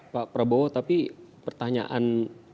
pak prabowo tapi pertanyaan